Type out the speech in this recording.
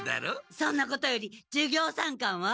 そんなことより授業参観は？